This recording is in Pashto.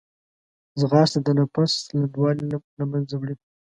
ځغاسته د نفس لنډوالی له منځه وړي